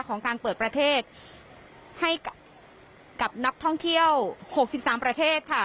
ของการเปิดประเทศให้กับนักท่องเที่ยว๖๓ประเทศค่ะ